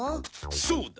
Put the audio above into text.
そうだ。